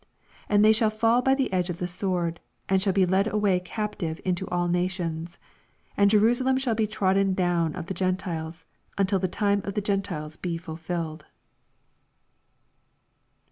24 And they shall fall by the edge of the sword, and shall be led away captive into all nations : and Jerusa lem shall be trodden down of the Gentiles, until the times of the Gen ten may be fulfilled. tiles be lulfllled.